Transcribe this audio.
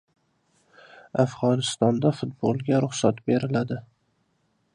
Afg‘onistonda futbolga ruxsat beriladi